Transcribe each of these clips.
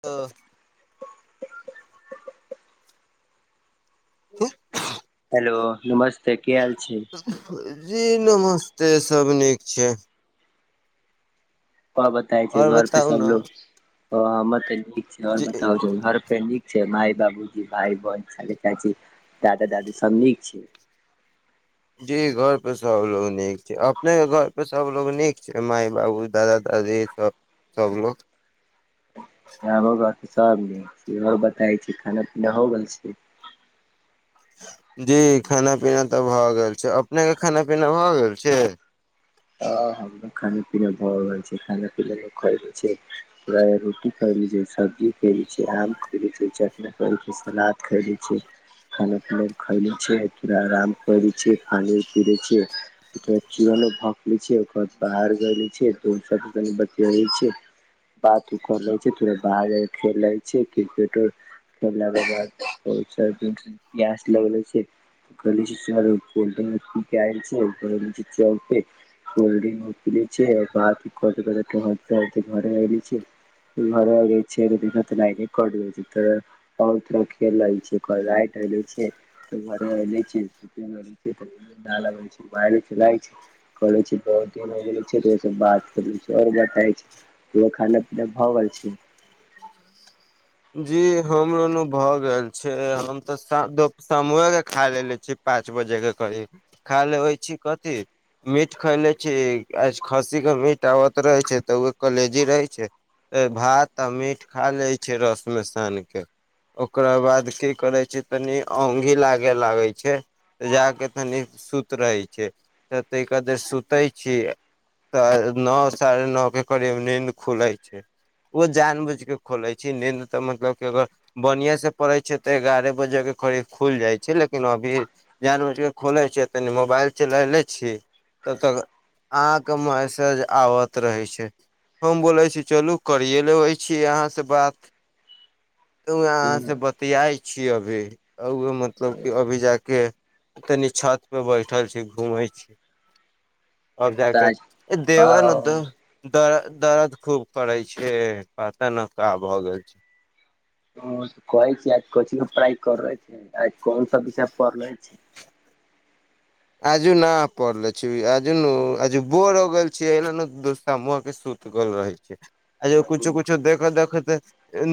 ठ [inaudible] क [inaudible] हेलो नमस्ते की हाल छी जी नमस्ते सब नीक छै बताय छै आओर घर पे बताउ ने सबलोग हमर ते नीक छै आओर जी बता घर पे नीक माय बाबूजी भइ बन स दादा दादी सब नीक छै जी घर पे सबलोग नीक छै अपने घर पर सबलोग नीक छै मााय बाबू दादा दादी सब सबलोग गामो गर त सब ने बताै छी खाना पीना हो गेल छै जी खाना पीना तऽ भए गेल छै अपने के खाना पीना भए गेल छै ह हमो खाने पीना भऽ रहल छी खाना पीना ल खए रहल छै रोटी ख सब्जी खैने छी आम खय छै चटना कर सलाद खैने छी खाना पीना खले छी आराम करे छी खाने पीे छी च भक ले छै ओकर बाद बाहर गे छै तऽ क बतियाे छै बात उ कर ले छै ते बाहर खेल ले छी क्रिकेट ब गस लेगले छै [unintelligible] लीर [unintelligible] कोोल्ड्रंग मपल छै बात कर के ह हती घर आ छै घरै छ दिन तऽ नहि कै छै तऽ [unintelligible] बहु तर खेल रहल छै राइट छै घराग आबे छै ठण्डा लगे छै करे छै बहुत दिन हो गेल छै ओ बात करे आओर बता छै केो खाने पीना भए गेल छै जी हमरोन भए गेल छै हम तऽ समामोए के खा लेलेे छी पाँच बजे के करीब खायल होइ छै कथी मीट खयले छी आ खस्सीके मीट आबत रहै छै तऽ ओ कलेजी रहै छै भात आ मीट खा लैत छै रसमे सानि कऽ ओकरा बाद की करै छै तनी ओंगहि लागे लागै छै तऽ जा कऽ तनि सुत रहै छै तऽ तहि कादर सुतै छी तऽ नओ साढ़े नओ के करीब नीन्द खुले छै ओ जान बूझ के खोले छी नीन्द तऽ मतलब कि अगर बढ़िआँ से पड़ै छै तऽ एगारह बजे के खीब खुल जाइ छै लेकिन अभी जान ब कऽ खोलै छियै तनि मोबाइल चला लै छियै तब तक अहाँ क मेसेज आबत रहै छै हम बोले छी चलू करिय लेबे छी अहाँ से बात तऽह अहाँ से बतियाइ छीय अभी मतलब कि अभी जाकऽ तनी छत पे बैठल छी घूमै छी आओर तऽ जााकऽ देवन आज उदम दर दर्द खूब करै छै पता न की भऽ गेल छै ओ कहै छ आज कोचंग पढ़ाइ कर रहले छै आज कोन सब विषय पढ़ले छै आजू न पड़ले छै आजू न आजू बोर होगल छैय एल न दोस्तामहके सुत ल रहै छै आ जे कुछु कुछु देख देख त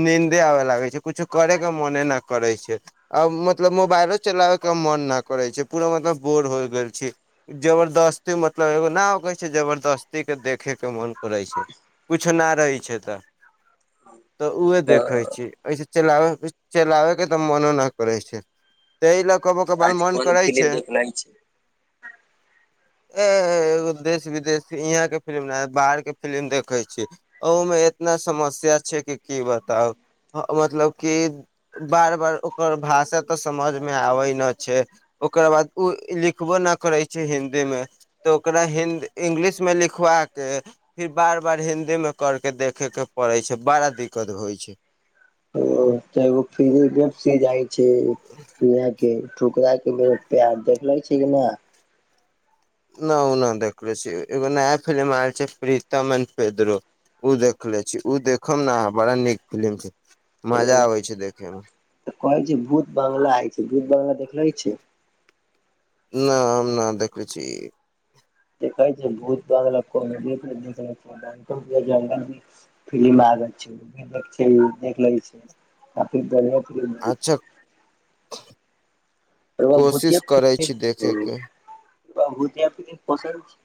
नींन्दे आबे लागे छै कुछो करे के मने न करै छै आब मतलब मोबाइलो चलाबयके मोन नहि करै छै पूरा मतलब बोर होय गेल छै जबरदस्ती मतलब एगो न कहै छै जबरदस्ती के देखे के मन करै छै किछु नहि रहै छै तऽ तऽ उह देखै तऽ छी एहिसँ चलाबै चलाबयके तऽ मोनो नहि करै छै तहि लऽ कबो क ब आज मोन कोन करै फिलिम छै देखले छै ए एगो देश विदेश यहाँ के फिलिम बाहर के फिलिम देखे छी ओहूमे इतना समस्या छै कि की बताउ मतलब कि बार बार ओकर भाषा तऽ समझमे आबै नहि छै ओकररा बाद ओ लिखबो न करै छै हिन्दी मे तऽ ओकरा हि इंग्लिशमे लिखवा कऽ फिर बार बार हिन्दीमे कर कऽ देखयके पड़ैत छै बड़ा दिक्कत होइत छै [unintelligible] जाइ छै [unintelligible] प्यार देखले छी कि नहि न ओ नहि देखले छी एगो नया फिलि्म आयल छै प्रीतम एंड पेद्रो ओ देखले छी ओ देखब ने अहाँ बड़ा नीक फिलिम छै मजा आबे छै देखे मे तऽ कहैत छै भूत बंगला हइ छै भूत बंगला देखले छै ना हम ना देखै छी देखा छै [unintelligible] [unintelligible] फिलम आबै छै देखैय छै देख लै छै [unintelligible] अच्छा कोशिश करै छी देखे के [unintelligible]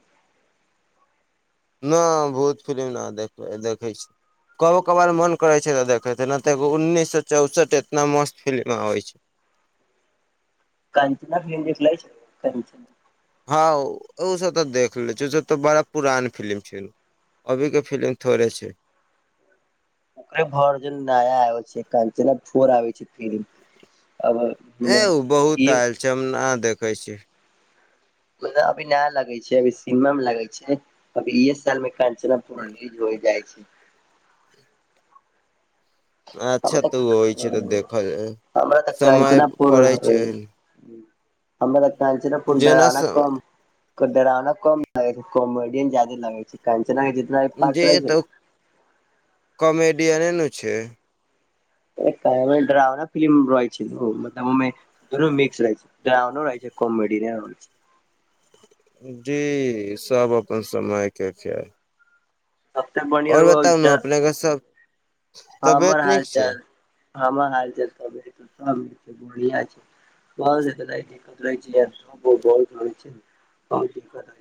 नहि भूत फिलिम नहि देखबै देखै छी कबो कबार मोन करै छै तऽ देखैत छै नहि तऽ एगो उन्नैस सए चौसठ एतना मस्त फिलि्म आबैत छै कंचना फिल्म देखलेय छै कंचना हँ ओ सभ तऽ देख ले छै ओसभ तऽ बड़ा पुरान फिलि्म छै अभी क फिलिम थोड़े छै ओे भरन नया आ छै कचे फोर आ छै फ ए ओ बहुत आयल छै हम ने देखे छी अभी नया लगै छै अभी सिनेमा मे लगे छै अभी इस साल मे कञचना पूर्णज होइ जाइ छै आ अच्छा तऽ होइ छै तऽ मतलब देखय हमरा तऽ समय कंचनापुर पड़ै छै हमरा कंचना फोर जेना डरावना स- कम डरावना कम लगे छै कॉमेडियन जादे लगे छै कंचना जितना भी पार्ट जे रहै त कॉमेडियने ने छै एकटा एहेन डरावना फिलम रह छै मतलब दुनू मिक्स रहै छै डरावनो रहै छै कोमेडी रह छै जी सब अपन समय के छै सबसे बढ़िया आओर बताउ ने रउआ अपने केँ सब हमर तबियत हाल नीक छै चाल हमर हाल चाल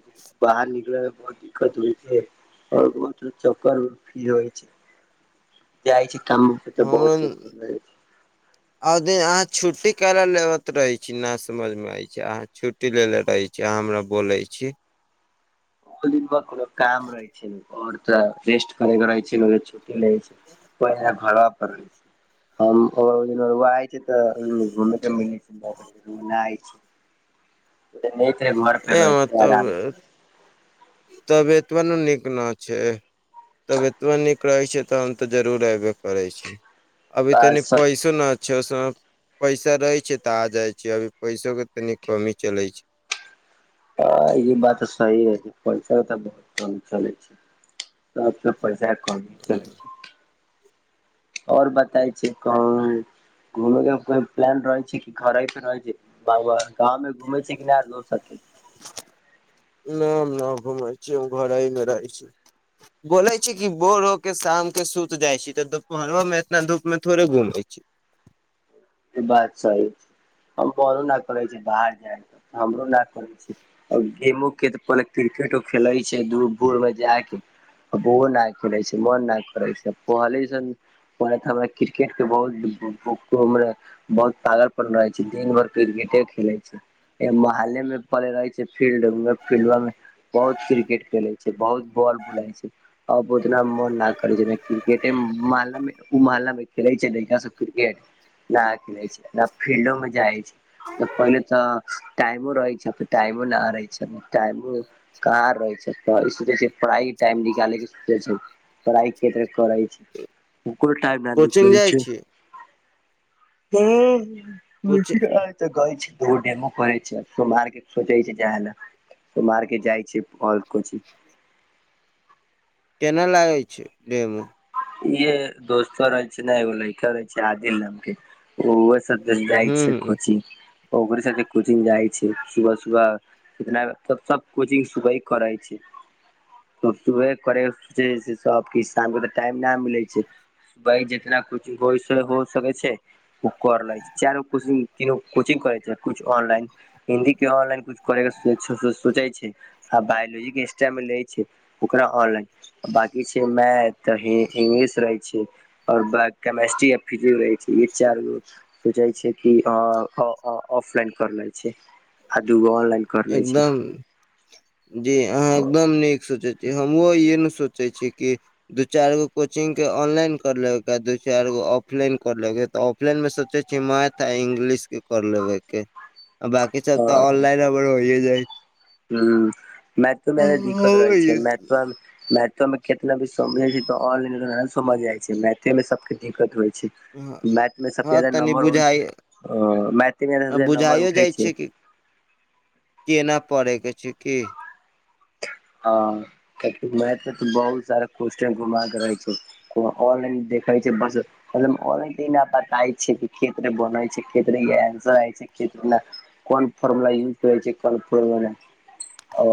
[unintelligible] [unintelligible] बाहर निकले मे बहुत दिक्कत होइ छै ह और बहुत चक्कर मे फी होइ छै जाइ छै काम पर तऽ बहुत चोख रहै छै [unintelligible] [unintelligible] ले ले रहै छी अहाँ हमरा बोले छी दिन मे कोनो काम रहे छै और तऽ रेस्ट करे रहे छै लए छै ए हमर [unintelligible] [unintelligible] तबियतब न नीक न छै तबियतवा नीक रहे छै त हम ते जरूर एबे करे छी अभी तनि पैसो न पछो से पैसा रहे छै तऽ आ जाय छै अभी पैसो के तनी कमी चले छै आ ई बात सही है पैसा तऽ बहुत कम चलै छै तब त पैसा कम चलै छै आओर बताय छै कह घूमे के को प्लान रहै छै कि घर रहै छै बाबू आर गाँव घुमे छै कि नहि [unintelligible] न हम न घुमै छी हम घर मे रहै छी [inaudible] बोले छी कि बोर हो के शाम के सुत जाय छी तऽ दुपहरो मे एतना धूप मे थोड़े घूम छी बात सही छै हम पनो न करै छ बाहर जाय हमरो न करै छी आ गेमो के तऽ पहिले क्रिकेटो खेलैत छै दू भोर मे जा के [unintelligible] मन नहि करै छै पहिले परा क्रिकेट के बहुत [unintelligible] बहुत तागल पन रहे छै। दिन भर क्रिकेट खेले छै। मोहल्लामे पड़ल रहै छै, फील्ड-फील्डोमे। बहुत क्रिकेट खेलै छै, बहुत बॉल बुलाइ छै। आब ओतेक मोन नहि करै छै, क्रिकेटे मोहल्लामे खेलै छै लड़का सभ क्रिकेट ने छै ने, फील्डोमे जाइ छै। तऽ पहिले तऽ टाइमो रहै छै, तऽ टाइमो नहि रहै छै, टाइमो। कारण रहै छै तऽ सोचै छै पढ़ाइके टाइम निकालेके सोचै छै। पढ़ाइके करै छै, ओ कोना टाइम कोचिंग निकले जाइ छै? छी ह कोचिंग [unintelligible] तऽ गेल छै दूर, डेमो करै छै। सोमबारके सोचै छै जाय लेल। कुमारके जाइ छै आओर किछु। केना लागै छै देहमे? ई दोस्त रहै छै ने, एगो लड़का रहै छै आदिल नामक, ओ सभ। जाइ हूं छै हूं कोचिंग, ओकरा संग कोचिंग जाइ छै सुबह-सुबह। एतना तऽ सभ कोचिंग सुबह करै छै। [unintelligible] ते करे शाम टाइम नहि मिलै छै, जितना किछु होइ छै, से हो सकै छै। ओकरा लगैत छै चारिगो कोचिंग। तीनू कोचिंग करे छै। कुछ ऑनलाइन हिन्दी के ऑनलाइन कुछ करेके सोचे छै। आ बायोलॉजीक क्लास ले छै, ओकरा ऑनलाइन बाकी छै मैथ। तऽ इंग्लिश रहै छै आ केमिस्ट्री, फिजिक्स रहै। ई चारि गो सोचै छै। ऑफलाइन कऽ लै छै आ दू गो ऑनलाइन कऽ लै छै। एकदम जी अहाँ एकदम नीक सोचै छी। हमहुँ ई सोचै छी जे दू-चारि गो कोचिंग ऑनलाइन कऽ लिअ, दू-चारि गो ऑफलाइन कऽ लिअ, तऽ सोचै छी मैथ आ इंग्लिश के कऽ लेबऽके ब। ई सभ तऽ ऑनलाइन बड़ नीक होइ छै। ह मै तमे दिक्कत रहै छै। मै मैथमे केतेको बुझै छै, आ बुझि जाइ छै। मैथमे सभके दिक्कत होइ छै। मैथमे हँ सभसँ बेसी तनि नम्बर होइ छै, बुझाइ मैथमे सभसँ बेसी नम्बर बुझाइयो उठै जाइ छै। कि केना पढ़ऽके छै कि? हँ, मैथ तऽ बहुत सारा घुमऽ-फिरऽ के रहै छै। को ऑनलाइन देखाइ छै बस। मतलब ऑनलाइन बात आइ छै, खेत बनै छै, खेतरेन्सर छै, खेतर। कोन फॉर्मुला यूज करै छै, कोन फॉर्मुला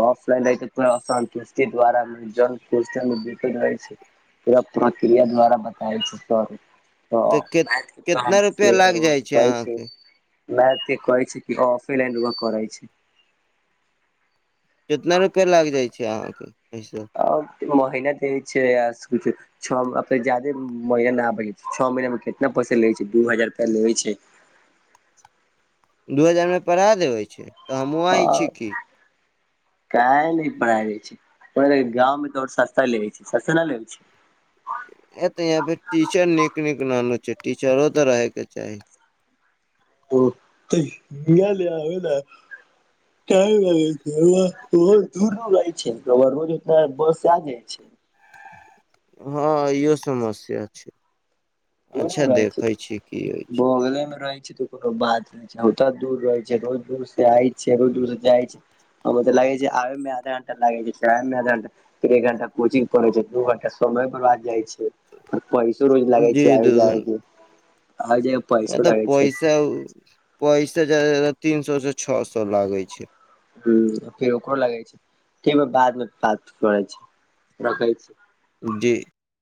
ऑफलाइनमे तऽ असन्तुष्टि द्वारा मे जलपमे बिक रहल छै। पूरा प्रकिया द्वारा बताब जैत छै। तऽ के मैथके तऽ कितना रुपआ लागि हमर जाइ छै कहै छी अहाँके मैथके कहै छै कि ऑफलाइन करै छै। कतेक रुपैया लागि जाइ छै अहाँके एहिसँ? आओर मेहनत हो छै आ स्कूल छओ महीना नहि, छओ महिनामे कतेक पैसा लै छै? दू हजार रुपैया लै छै। दू हजारमे पढ़ा देबै छै तऽ हमहूँ आह छी की। कऽ नहि पढ़ाय जा छै, गाँवमे तऽ सस्ता लै छै, सस्ता ने लै छै। एतऽ टीचर नीक नीक नहियो छै, टीचरो तऽ रहऽके चाही। ओ तऽ लबै ने। दूर-दूर रहै छै तऽ रोज ओतना बस आ-जाइ छै। हँ, ई समस्या छै। आ अच्छा घरेमे रहै छै। देखे छी की होइ बगले मे कोनो बात नहि छै ओतऽ दूर रहै छै रोज दूर से आय छै रोज दूर से जाइ छै ओ तऽ लागै छै आबेमे आधा घंटा लागै छै जाय मेआधा घंटा फेर एक घंटा कोचिंग पढ़े छै दू घंटा समय बरबाद जाय छै आर पैसो रोज लगै छै ओजे [unintelligible] य तऽ पसा पसा जादा से जैदा तीन सए से छओ सए लागै छै ह फेर ओकरो लगै छै बाद मे बात करै छी रखै छी डी